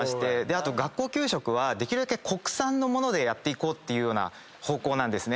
あと学校給食はできるだけ国産の物でやっていこうって方向なんですね。